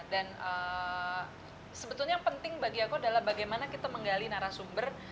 dan sebetulnya yang penting bagi aku adalah bagaimana kita menggali arah sumber